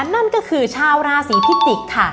นั่นก็คือชาวราศีพิจิกษ์ค่ะ